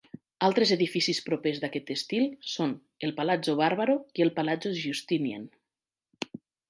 Altres edificis propers d'aquest estil són el Palazzo Barbaro i el Palazzo Giustinian.